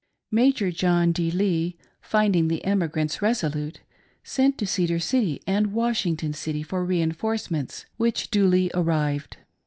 Major John D. Lee, finding the emigrants resolute, sent to Cedar City and Washington City for re inforcements, which duly arrived.